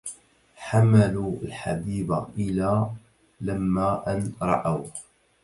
حملوا الحبيب إلى لما أن رأوا